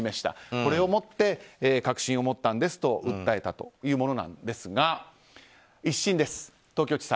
これをもって確信を持ったんですと訴えたものなんですが１審です、東京地裁。